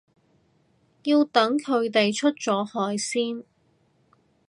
要等佢哋出咗海先